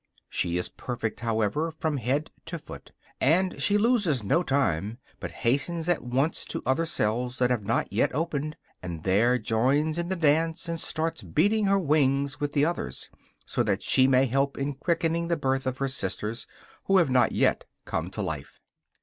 She is perfect, however, from head to foot; and she loses no time, but hastens at once to other cells that have not yet opened, and there joins in the dance and starts beating her wings with the others, so that she may help in quickening the birth of her sisters who have not yet come to life.